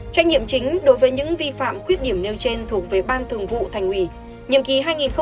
trách nhiệm chính đối với những vi phạm khuyết điểm nêu trên thuộc về ban thường vụ thành ủy nhiệm kỳ hai nghìn một mươi năm hai nghìn hai mươi